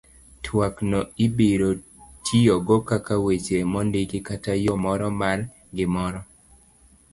twak no ibiro tiyogo kaka weche mondiki kata yo moro mar gimoro